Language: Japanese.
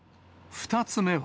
２つ目は。